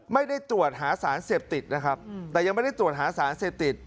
ไม่ได้ตรวจหาสารเสพติดนะครับแต่ยังไม่ได้ตรวจหาสารเสพติด